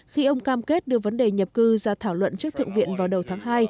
khi ông cam kết đưa vấn đề nhập cư ra thảo luận trước thượng viện vào đầu tháng hai